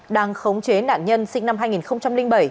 đang khống chế nạn nhân sinh năm hai nghìn bảy